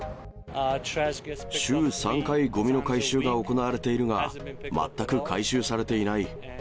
週３回ごみの回収が行われているが、全く回収されていない。